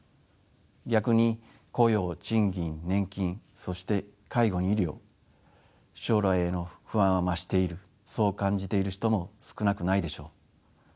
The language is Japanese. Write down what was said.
逆に雇用賃金年金そして介護に医療将来への不安は増しているそう感じている人も少なくないでしょう。